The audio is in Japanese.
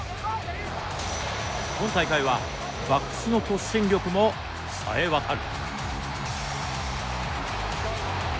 今大会はバックスの突進力もさえわたる。